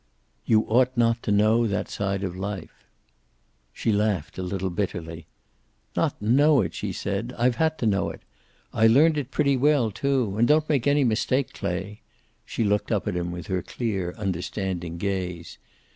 "You ought not to know that side of life." She laughed a little bitterly. "Not know it!" she said. "I've had to know it. I learned it pretty well, too. And don't make any mistake, Clay." She looked up at him with her clear, understanding gaze.